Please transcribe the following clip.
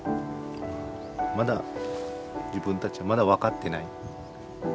まだ自分たちはまだ分かってない。